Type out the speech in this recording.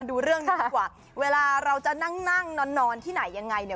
ดูเรื่องนี้ดีกว่าเวลาเราจะนั่งนั่งนอนที่ไหนยังไงเนี่ย